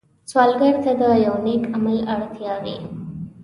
سوالګر ته د یو نېک عمل اړتیا وي